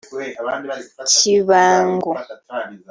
Kibangu